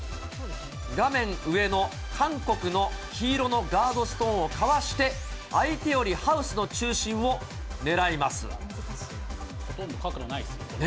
画面上の韓国の黄色のガードストーンをかわして、相手よりハウスほとんど角度ないですね。